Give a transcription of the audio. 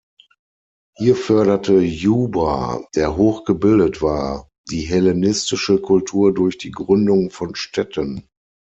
Hier förderte Juba, der hochgebildet war, die hellenistische Kultur durch die Gründung von Städten.